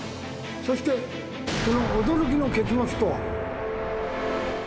そしてその驚きの結末とは。